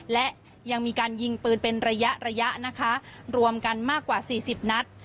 และยังมีการยิงปืนเป็นระยะระยะนะคะรวมกันมากกว่าสี่สิบนัด